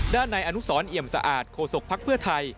ด้านในอนุสรเอี่ยมสะอาดโฆษกภักดิ์เพื่อไทย